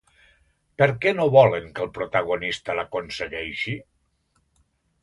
Per què no volen que el protagonista l'aconsegueixi?